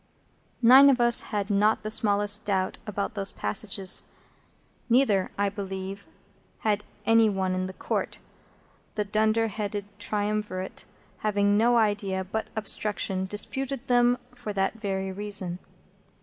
Nine of us had not the smallest doubt about those passages, neither, I believe, had any one in the Court; the dunder headed triumvirate, having no idea but obstruction, disputed them for that very reason.